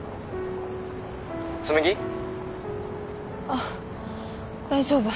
あっ大丈夫。